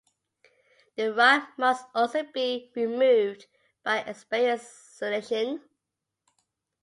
The rod must also be removed by an experienced clinician.